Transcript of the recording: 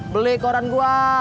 beli koran gue